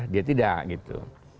dia tidak gitu